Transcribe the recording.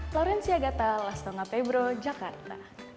laurencia gata las tonga februar jakarta